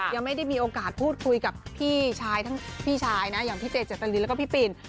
ยังไม่ได้มีโอกาสพูดคุยกับพี่ชายทั้งพี่ชายนะอย่างพี่เจเจตรินแล้วก็พี่ปิน